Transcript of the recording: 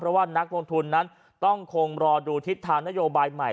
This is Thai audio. เพราะว่านักลงทุนนั้นต้องคงรอดูทิศทางนโยบายใหม่